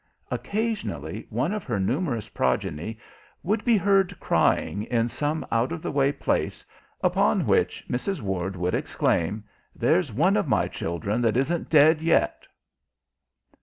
Occasionally one of her numerous progeny would be heard crying in some out of the way place, upon which Mrs. Ward would exclaim, 'There's one of my children that isn't dead yet!'"